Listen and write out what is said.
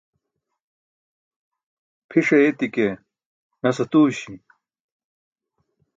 Phi̇ṣ ayeti̇ ke nas atuuśi̇.